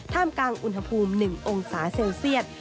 กลางอุณหภูมิ๑องศาเซลเซียต